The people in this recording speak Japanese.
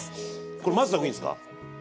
これ混ぜた方がいいんですか黄身？